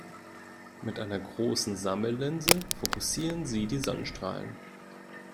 Mit einer großen Sammellinse fokussieren sie die Sonnenstrahlen.